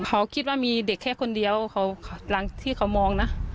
เขาคิดว่ามีเด็กแค่คนเดียวเขาหลังที่เขามองนะ